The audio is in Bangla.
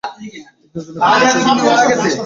একদিনের জন্য কাহারো সামনে সে চোখের জলও ফেলে নাই।